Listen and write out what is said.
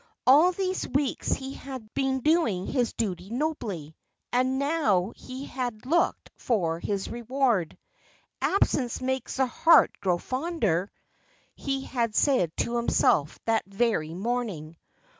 All these weeks he had been doing his duty nobly, and now he had looked for his reward. "Absence makes the heart grow fonder," he had said to himself that very morning.